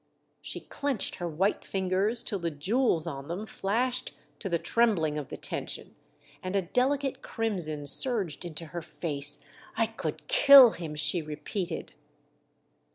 She clenched her white fingers till the jewels on them flashed to the trembling of the tension, and a delicate crimson surged into her face. *' I could kill him !" she repeated.